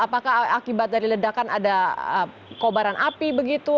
apakah akibat dari ledakan ada kobaran api begitu